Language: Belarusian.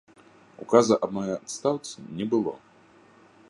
Указа аб маёй адстаўцы не было.